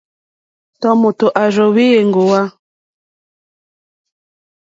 Tɔ̀mòtò à rzóŋwí èŋɡòwá.